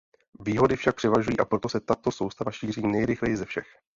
Výhody však převažují a proto se tato soustava šíří nejrychleji ze všech.